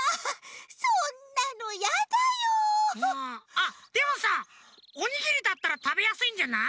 あっでもさおにぎりだったらたべやすいんじゃない？